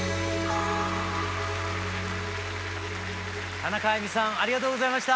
田中あいみさんありがとうございました。